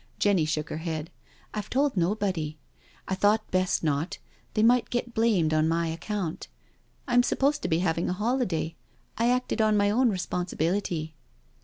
Jenny shook her head: " I've told nobody.. I thought best not— they might get blamed on my account. I'm supposed to be having a holiday— I acted on my own responsibility.'